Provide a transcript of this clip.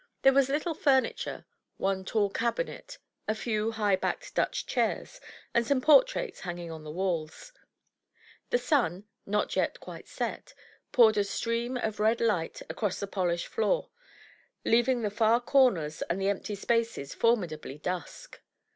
There was little furniture; one tall cabinet, a few high backed Dutch chairs, and some portraits hanging on the walls. The sun, not yet quite set, poured a stream of red light across the polished floor, leaving the far comers and the empty spaces formidably dusk.